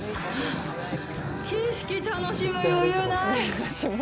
景色楽しむ余裕ない！